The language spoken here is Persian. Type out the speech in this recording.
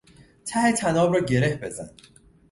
ته طناب را گره بزن.